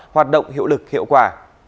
hoạt động hiệu lực hiệu quả